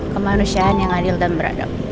kemanusiaan yang adil dan beradab